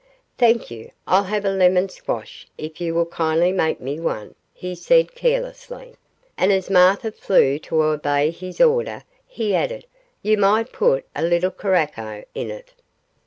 'Thank you, I'll have a lemon squash if you will kindly make me one,' he said, carelessly, and as Martha flew to obey his order, he added, 'you might put a little curacoa in it.